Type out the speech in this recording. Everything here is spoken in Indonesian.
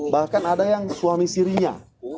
bahkan ada yang suaminya